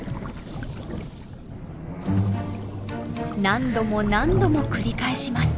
何度も何度も繰り返します。